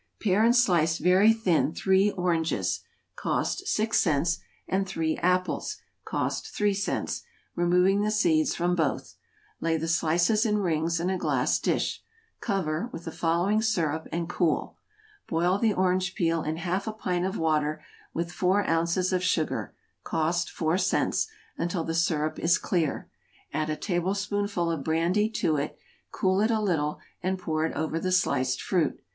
= Pare and slice very thin three oranges, (cost six cents,) and three apples, (cost three cents,) removing the seeds from both: lay the slices in rings in a glass dish, cover, with the following syrup, and cool. Boil the orange peel in half a pint of water, with four ounces of sugar, (cost four cents,) until the syrup is clear; add a tablespoonful of brandy to it, cool it a little, and pour it over the sliced fruit.